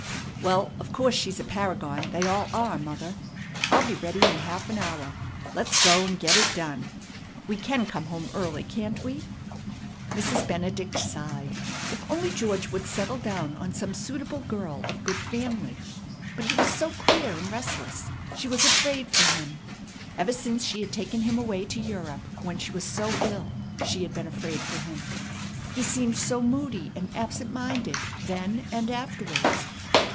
"Well, of course she's a paragon; they all are, mother. I'll be ready in half an hour. Let's go and get it done. We can come home early, can't we?" Mrs. Benedict sighed. If only George would settle down on some suitable girl of good family! But he was so queer and restless. She was afraid for him. Ever since she had taken him away to Europe, when she was so ill, she had been afraid for him. He seemed so moody and absent minded then and afterwards.